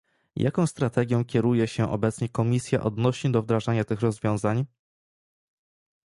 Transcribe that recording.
jaką strategią kieruje się obecnie Komisja odnośnie do wdrażania tych rozwiązań?